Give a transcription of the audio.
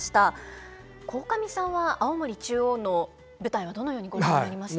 鴻上さんは青森中央の舞台はどのようにご覧になりましたか？